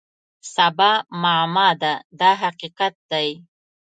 سبا معما ده دا حقیقت دی.